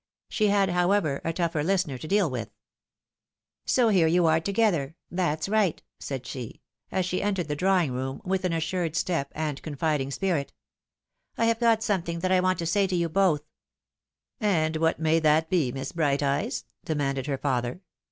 She had, however, a tougher listener to deal with. " So here you are together — that's right," said she, as she M 2 196 THE WIDOW MAEEIBD. entered the drawing room, with an assured step and confiding spirit ; "I have got something that I want to say to you both." " And what may that be, Miss Brighteyes ?" demanded her father.